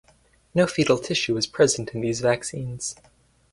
No fetal tissue is present in these vaccines.